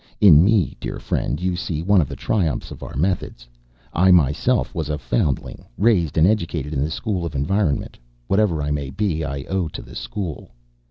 In me, dear friend, you see one of the triumphs of our methods. I myself was a foundling raised and educated in the School of Environment. Whatever I may be, I owe to the School."